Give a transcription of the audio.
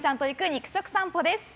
肉食さんぽです。